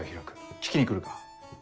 聴きに来るか？